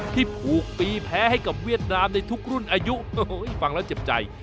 ที่ผูกปีแพ้ให้กับเวียดนามในทุกรุ่นอายุฟังแล้วเจ็บใจ